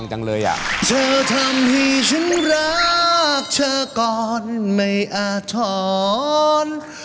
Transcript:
ที่ฉันรักเธอก่อนไม่อาธรรม